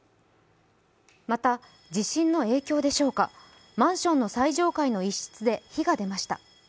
また地震の影響でしょうかマンションの最上階の一室で火が出ました。